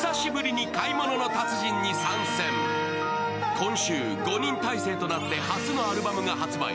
今週、５人体制となって初のアルバムが発売。